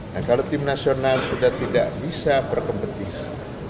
nah kalau tim nasional sudah tidak bisa berkompetisi